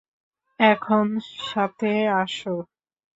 এখন সাথে আসো।